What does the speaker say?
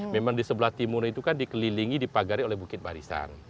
memang di sebelah timur itu kan dikelilingi dipagari oleh bukit barisan